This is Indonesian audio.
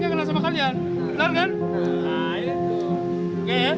udah udah selesai